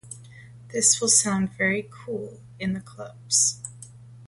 This will sound very cool in the clubs.